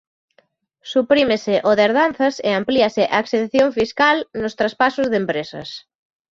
Suprímese o de herdanzas e amplíase a exención fiscal nos traspasos de empresas.